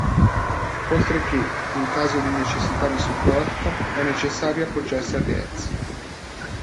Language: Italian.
Oltre che, in caso di necessità di supporto, è necessario appoggiarsi a terzi.